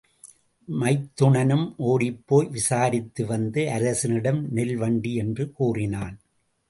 மைத்துனனும் ஒடிப்போய் விசாரித்து வந்து, அரசனிடம் நெல் வண்டி என்று கூறினான்.